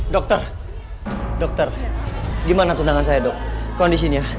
dokter dokter gimana tundangan saya dok kondisinya